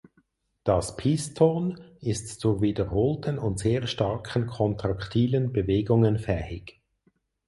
Das Piston ist zu wiederholten und sehr starken kontraktilen Bewegungen fähig.